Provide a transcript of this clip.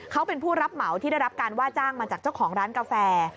เขาเป็นผู้รับเหมาที่ได้รับการว่าจ้างมาจากเจ้าของร้านกาแฟ